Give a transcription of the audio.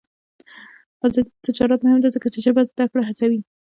آزاد تجارت مهم دی ځکه چې ژبې زدکړه هڅوي.